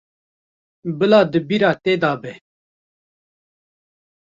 Bila di bîra te de be.